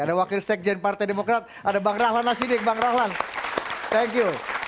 ada wakil sekjen partai demokrat ada bang rahlan nasidik bang rahlan thank you